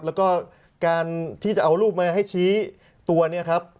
แล้วก็การที่จะเอารูปมาให้ชี้ตัวเนี่ยครับ